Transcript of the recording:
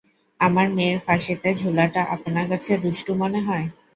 আমার মেয়ের ফাঁসিতে ঝুলাটা আপনার কাছে দুষ্টু মনে হয়?